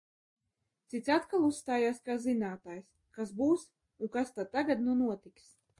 Cits atkal uzstājās kā zinātājs, kas būs un kas tad tagad nu notiks.